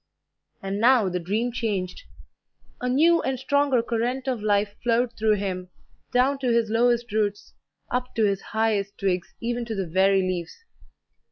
And now the dream changed. A new and stronger current of life flowed through him, down to his lowest roots, up to his highest twigs, even to the very leaves.